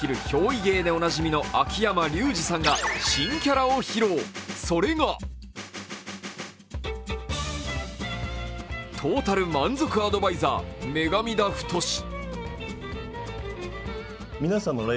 依芸でおなじみの秋山竜次さんが新キャラを披露、それがトータル満足アドバイサーメガミ田フトシ。